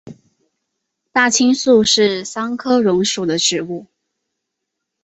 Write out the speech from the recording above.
大青树是桑科榕属的植物。